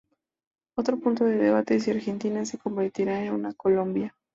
Otro punto de debate es si Argentina se convertirá en una "Colombia".